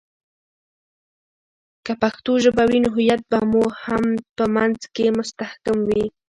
که پښتو ژبه وي، نو هویت به مو په منځ مي مستحکم وي.